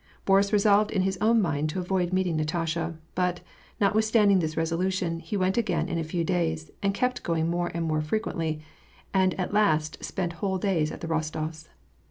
Boris resolved in his own mind to avoid meeting Natasha, but, notwithstanding this resolution, he w^ent again in a few days, and kept going more and more frequently, and at last spent whole days at the Ros tofs'.